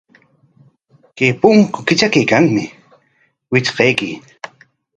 Chay punku kitrakaykanmi, witrqaykuy.